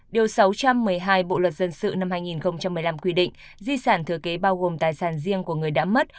điều sáu trăm một mươi hai bộ luật dân sự năm hai nghìn một mươi năm quy định di sản thừa kế bao gồm tài sản riêng của người đã mất